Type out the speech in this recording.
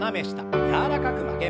柔らかく曲げます。